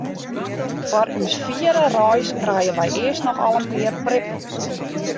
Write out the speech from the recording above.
Foar ús fiere reis krije wy earst noch al in pear prippen.